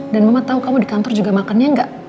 dan mama tau kamu di kantor juga makannya gak